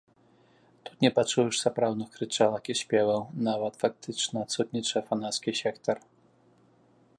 Тут не пачуеш сапраўдных крычалак і спеваў, нават фактычна адсутнічае фанацкі сектар.